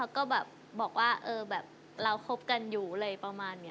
ก็แบบบอกว่าเออแบบเราคบกันอยู่อะไรประมาณนี้